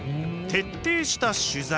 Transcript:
徹底した取材。